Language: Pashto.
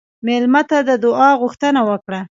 مېلمه ته د دعا غوښتنه وکړه.